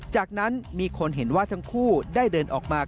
จากนั้นมีคนเห็นว่าทั้งคู่ได้เดินออกมา